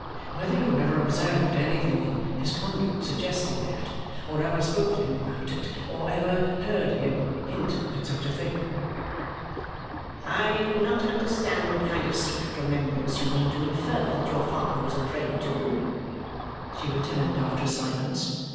Whether you ever observed anything in his conduct suggesting that; or ever spoke to him upon it, or ever heard him hint at such a thing?' 'I do not understand what kind of secret remembrance you mean to infer that your father was a prey to,' she returned, after a silence.